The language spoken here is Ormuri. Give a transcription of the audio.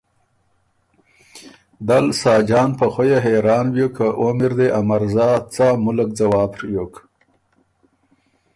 دل ساجان په خؤیه حېران بیوک که اوم اِر دې ا مرزا څا مُلّک ځواب ڒیوک